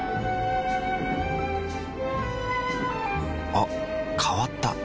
あ変わった。